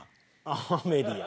『アメリ』や。